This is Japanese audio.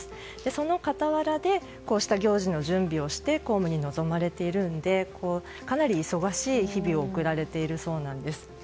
その傍らでこうした行事の準備をして公務に臨まれているのでかなり忙しい日々を送られているそうなんです。